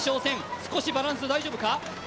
少しバランス、大丈夫か？